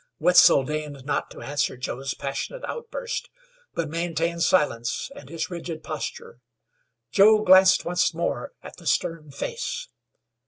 Wetzel deigned not to answer Joe's passionate outburst, but maintained silence and his rigid posture. Joe glanced once more at the stern face.